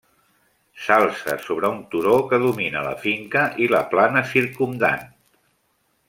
S'alça sobre un turó que domina la finca i la plana circumdant.